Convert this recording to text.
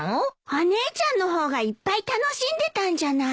お姉ちゃんの方がいっぱい楽しんでたんじゃない。